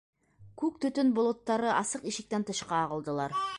Күк төтөн болоттары асыҡ ишектән тышҡа ағылдылар.